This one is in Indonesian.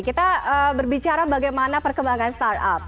kita berbicara bagaimana perkembangan start up